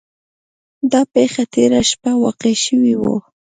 دا پیښه تیره شپه واقع شوې وه.